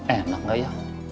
enak gak ya